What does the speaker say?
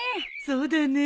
そうだね。